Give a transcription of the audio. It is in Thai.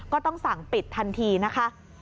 ก็ต้องสั่งปิดทันทีนะคะ